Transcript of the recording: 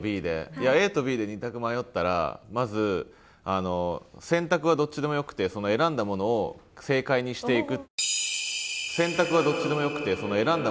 ＡとＢで２択迷ったらまず選択はどっちでもよくてその選んだものを正解にしていく。